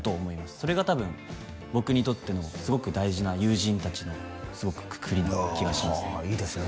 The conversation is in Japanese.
それがたぶん僕にとってのすごく大事な友人達のくくりな気がしますはあいいですね